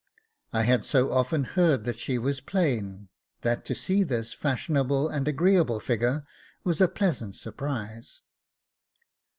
I had so often heard that she was plain that to see this fashionable and agreeable figure was a pleasant surprise.